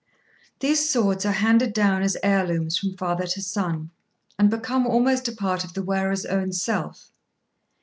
These swords are handed down as heirlooms from father to son, and become almost a part of the wearer's own self.